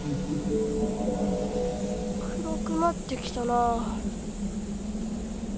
暗くなってきたな。